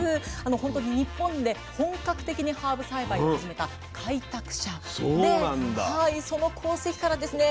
本当に日本で本格的にハーブ栽培を始めた開拓者でその功績からですね